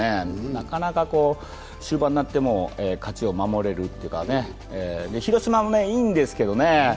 なかなか終盤になっても勝ちを守れるというか広島もいいんですけどね。